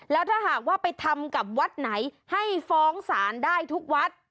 แล้วถ้าหากว่าไปทำกับวัดไหนให้ฟ้องศาลได้ทุกวัด